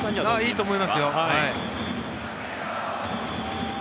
いいと思いますよ。